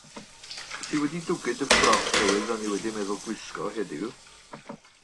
Wyt ti wedi dwgyd y ffrog newydd o'n i wedi meddwl gwisgo heddiw?